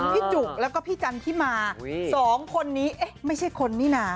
จุกแล้วก็พี่จันทิมาสองคนนี้เอ๊ะไม่ใช่คนนี่นะ